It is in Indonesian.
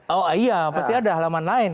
oh iya pasti ada halaman lain